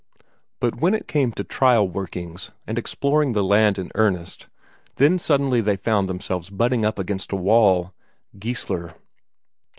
But when it came to trial workings, and exploiting the land in earnest, then suddenly they found themselves butting up against a wall Geissler.